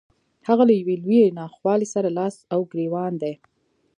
هغه له يوې لويې ناخوالې سره لاس او ګرېوان دی.